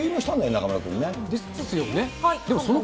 中丸君ね。ですよね。